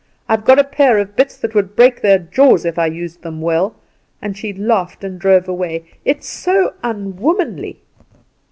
I've got a pair of bits that would break their jaws if I used them well,' and she laughed and drove away. It's so unwomanly.